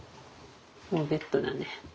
もうベッドだね。